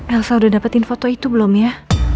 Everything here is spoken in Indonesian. elsa udah dapetin foto itu belum ya